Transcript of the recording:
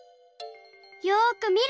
よくみる！